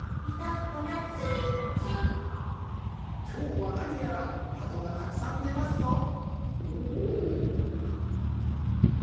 きょうはなにやらハトがたくさんでますぞ。